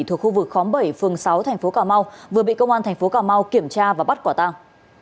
thuộc khu vực khóm bảy phường sáu tp cm vừa bị công an tp cm kiểm tra và bắt quả tàng